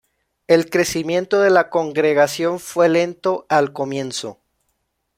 El crecimiento de la congregación fue lento al comienzo.